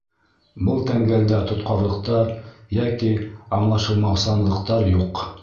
Был тәңгәлдә тотҡарлыҡтар йәки аңлашылмаусанлыҡтар юҡ.